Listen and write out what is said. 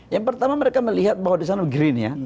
yang pertama mereka melihat bahwa disana green ya